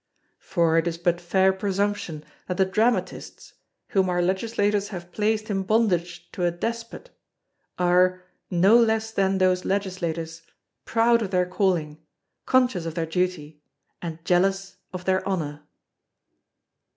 For it is but fair presumption that the Dramatists, whom our Legislators have placed in bondage to a despot, are, no less than those Legislators, proud of their calling, conscious of their duty, and jealous of their honour.